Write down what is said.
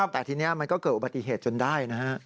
แต่ทีนี้มันก็เกิดอุบัติเหตุจนได้นะฮะ